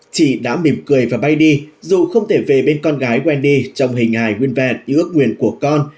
chị đã mỉm cười và bay đi dù không thể về bên con gái wendy trong hình hài nguyên vẹn như ước nguyện của con